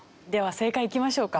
正解いきましょうか。